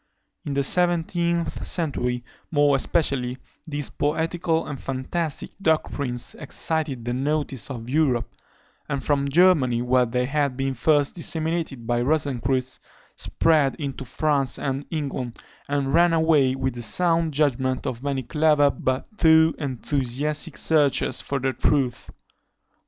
In the seventeenth century more especially, these poetical and fantastic doctrines excited the notice of Europe; and from Germany, where they had been first disseminated by Rosencreutz, spread into France and England, and ran away with the sound judgment of many clever but too enthusiastic searchers for the truth.